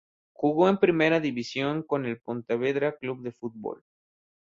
Jugó en Primera División en el Pontevedra Club de Fútbol.